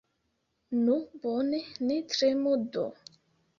Nu, bone, ne tremu do!